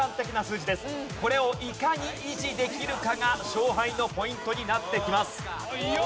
これをいかに維持できるかが勝敗のポイントになってきます。